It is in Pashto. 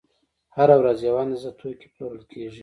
هره ورځ یوه اندازه توکي پلورل کېږي